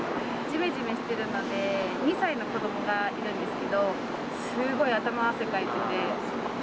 じめじめしているので、２歳の子どもがいるんですけど、すごい頭、汗かいてて。